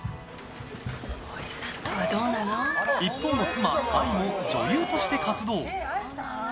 一方の妻・愛も女優として活動。